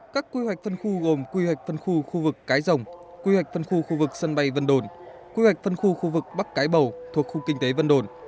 các quy hoạch phân khu gồm quy hoạch phân khu khu vực cái rồng quy hoạch phân khu khu vực sân bay vân đồn quy hoạch phân khu khu vực bắc cái bầu thuộc khu kinh tế vân đồn